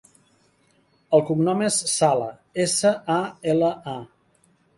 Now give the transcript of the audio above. El cognom és Sala: essa, a, ela, a.